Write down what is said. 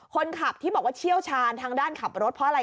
คนขับที่บอกว่าเชี่ยวชาญทางด้านขับรถเพราะอะไร